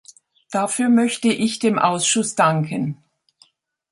Dafür möchte ich dem Ausschuss danken.